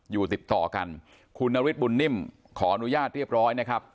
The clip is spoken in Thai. อยู่ติดต่อกันคุณนฤทธบุญนิ่มขออนุญาตเรียบร้อยนะครับ